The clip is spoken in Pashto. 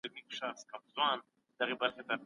دا په یاد ولرئ، چي په هر انسان کي مثبت اړخونه هم سته.